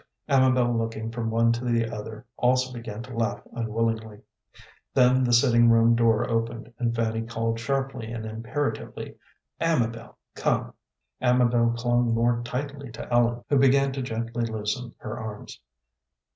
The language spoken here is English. Amabel, looking from one to the other, also began to laugh unwillingly. Then the sitting room door opened, and Fanny called sharply and imperatively, "Amabel, Amabel; come!" Amabel clung more tightly to Ellen, who began to gently loosen her arms.